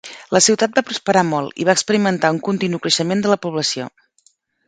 La ciutat va prosperar molt i va experimentar un continu creixement de la població.